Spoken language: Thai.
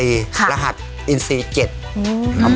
พ่มโผออกมาจากฉาก